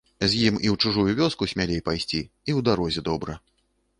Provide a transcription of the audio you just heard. З ім і ў чужую вёску смялей пайсці, і ў дарозе добра.